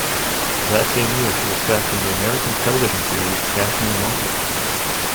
That same year, she was cast in the American television series "Cashmere Mafia".